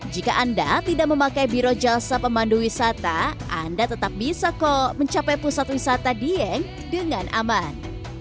jika anda tidak memakai biro jasa pemandu wisata anda tetap bisa kok mencapai pusat wisata dieng dengan aman